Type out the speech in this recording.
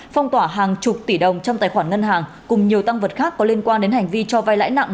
phong tỏa hàng chục tỷ đồng trong tài khoản ngân hàng cùng nhiều tăng vật khác có liên quan đến hành vi cho vai lãi nặng